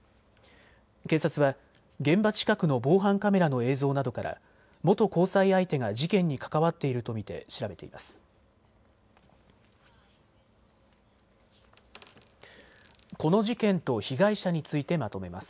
警察は現場近くの防犯カメラの映像などから元交際相手が事件に関わっていると見て調べています。